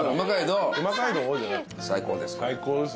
最高です。